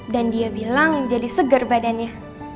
dan dia bilang jadi segar badannya